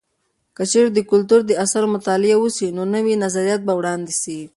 که چیرې د کلتور د اثارو مطالعه وسي، نو نوي نظریات به وړاندې سي.